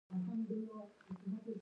ده اورېدې خو ځواب يې نه ورکاوه.